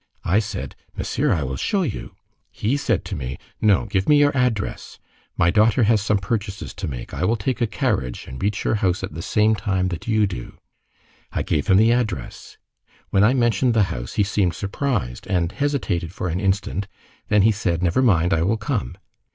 I said: 'Monsieur, I will show you.' He said to me: 'No, give me your address, my daughter has some purchases to make, I will take a carriage and reach your house at the same time that you do.' I gave him the address. When I mentioned the house, he seemed surprised and hesitated for an instant, then he said: 'Never mind, I will come.